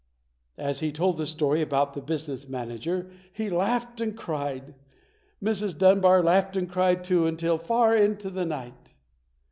As he told the story about the business manager he laughed and cried. Mrs. Dunbar laughed and cried too until far into the night.